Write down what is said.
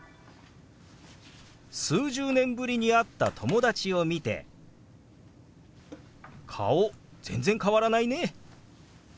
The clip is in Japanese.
数十年ぶりに会った友達を見て「顔全然変わらないね」。